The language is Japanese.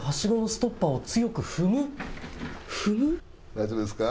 大丈夫ですか？